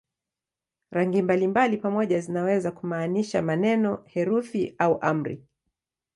Rangi mbalimbali pamoja zinaweza kumaanisha maneno, herufi au amri.